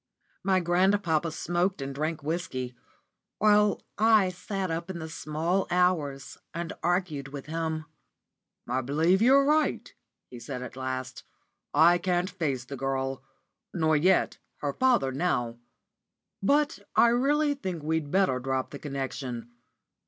My grandpapa smoked and drank whisky, while I sat up into the small hours and argued with him. "I believe you're right," he said at last. "I can't face the girl, nor yet her father now; but I really think we'd better drop the connection.